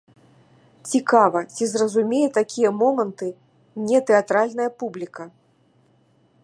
Цікава, ці зразумее такія моманты нетэатральная публіка?